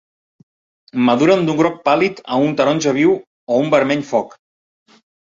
Maduren d'un groc pàl·lid a un taronja viu o un vermell foc.